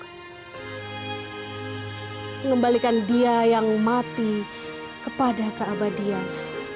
dia yang mati hari ini kembali dia yang mati kepada keabadian